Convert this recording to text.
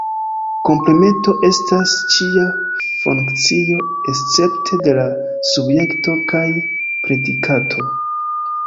Komplemento estas ĉia funkcio, escepte de la subjekto kaj predikato.